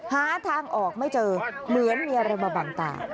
หาทางออกไม่เจอเหมือนมีอะไรมาบังตา